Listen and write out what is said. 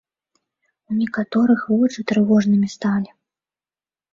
У некаторых вочы трывожнымі сталі.